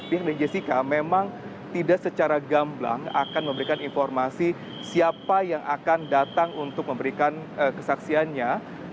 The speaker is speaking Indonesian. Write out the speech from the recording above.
pihak dari jessica memang tidak secara gamblang akan memberikan informasi siapa yang akan datang untuk memberikan kesaksiannya